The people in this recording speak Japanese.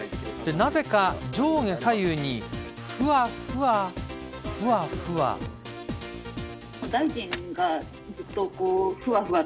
なぜか上下左右にふわふわ、ふわふわ。